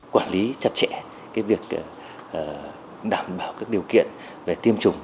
quản lý chặt chẽ việc đảm bảo các điều kiện về tiêm chủng